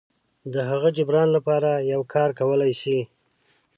د هغه جبران لپاره یو کار کولی شي.